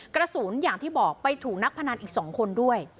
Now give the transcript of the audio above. อย่างที่บอกไปถูกนักพนันอีก๒คนด้วย